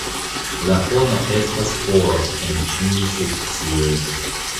La fono estas oro en ĉiuj sekcioj.